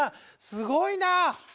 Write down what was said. すごいな。